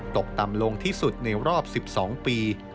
ตกต่ำลงที่สุดในรอบ๑๒ปี